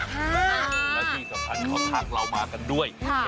อยู่ในนวันสี่สำคัญเขาท่ากเรามากันด้วยค่ะ